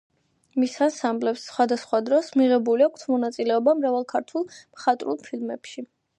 მის ანსამბლებს, სხვადასხვა დროს, მიღებული აქვთ მონაწილეობა მრავალ ქართულ მხატვრულ ფილმებში.